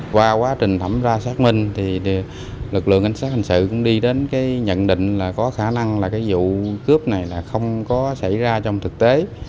qua quá trình thẩm tra xác minh thì lực lượng ánh sát hành sự cũng đi đến cái nhận định là có khả năng là cái vụ cướp này là không có xảy ra trong thực tế